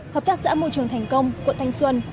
hợp tác xã môi trường thành công quận thanh xuân